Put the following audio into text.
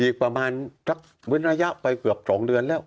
อีกประมาณสักเว้นระยะไปเกือบ๒เดือนแล้ว